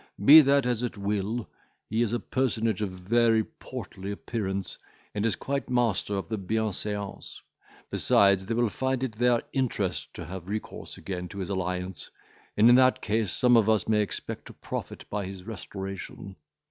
Be that as it will, he is a personage of a very portly appearance, and is quite master of the bienseance. Besides, they will find it their interest to have recourse again to his alliance; and in that case some of us may expect to profit by his restoration.